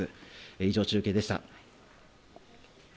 以上、中継でした。